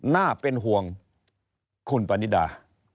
แน่เป็นหวงคุณปันนิตา